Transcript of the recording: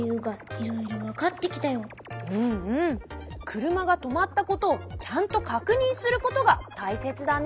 くるまがとまったことをちゃんとかくにんすることがたいせつだね！